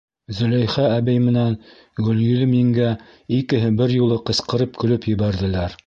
Зөләйха әбей менән Гөлйөҙөм еңгә икеһе бер юлы ҡысҡырып көлөп ебәрҙеләр.